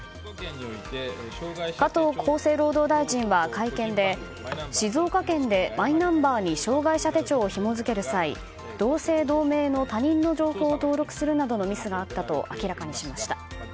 加藤厚生労働大臣は会見で静岡県でマイナンバーに障害者手帳をひも付ける際同姓同名の他人の情報を登録するなどのミスがあったと明らかにしました。